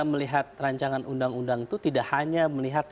melihat rancangan undang undang itu tidak hanya melihat